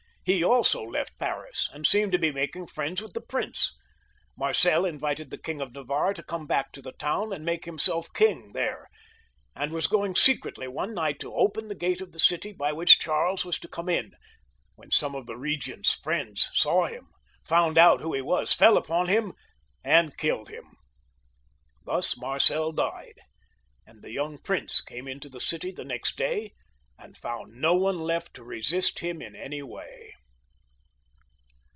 He also left Paris, and seemed to.be making friends with the prince. Marcel invited the King of Navarre to come back to the town and make himself king there, and was going secretly one night to open the gate of the city by which Charles was to come in, when some of the regent's friends saw him, found out who he was, fell upon him, and killed him. Thus Marcel died, and the young prince came into the city the next day, and found no one left to resist him in any way.